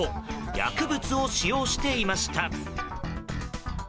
薬物を使用していました。